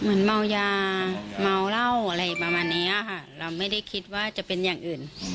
เมายาเมาเหล้าอะไรประมาณเนี้ยค่ะเราไม่ได้คิดว่าจะเป็นอย่างอื่น